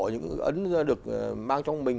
những ấn được mang trong mình